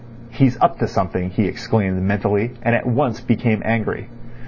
"He's up to something," he exclaimed mentally, and at once became angry.